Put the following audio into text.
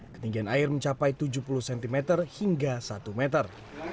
ketinggian air mencapai tujuh puluh cm hingga satu meter